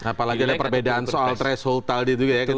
apalagi perbedaan soal threshold tadi itu ya